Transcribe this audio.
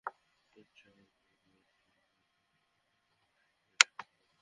চলার সময় এগুলো ক্রমে দূরে সরে যেতে থাকে।